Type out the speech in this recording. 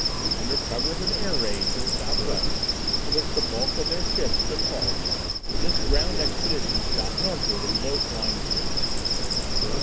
Under cover of an air raid to the southwest, in which the bulk of their ships took part, this ground expedition shot northward in low flying ships.